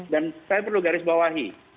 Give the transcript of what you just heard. saya perlu garis bawahi